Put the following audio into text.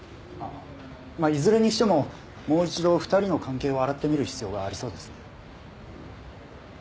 まあいずれにしてももう一度２人の関係を洗ってみる必要がありそうですね。